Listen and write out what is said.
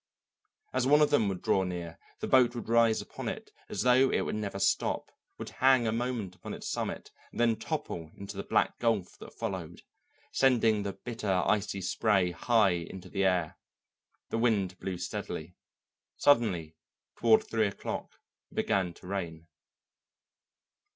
As one of them would draw near, the boat would rise upon it as though it would never stop, would hang a moment upon its summit and then topple into the black gulf that followed, sending the bitter icy spray high into the air. The wind blew steadily. Suddenly toward three o'clock it began to rain.